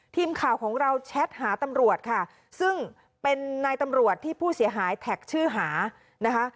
ทีมข่าวของเราแชทหาตำรวจค่ะซึ่งเป็นนายตำรวจที่ผู้เสียหายแท็กชื่อหานะคะ